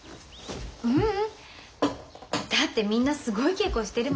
ううんだってみんなすごい稽古してるもん。